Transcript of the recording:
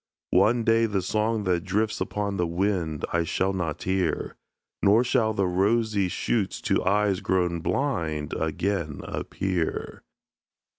One day the song that drifts upon the wind, I shall not hear; Nor shall the rosy shoots to eyes grown blind Again appear.